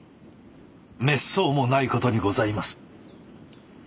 めっそうもない事にございます。